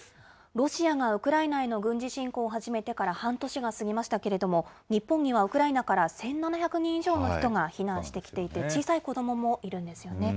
ロシアがウクライナへの軍事侵攻を始めてから半年が過ぎましたけれども、日本にはウクライナから１７００人以上の人が避難してきていて、小さい子どももいるんですよね。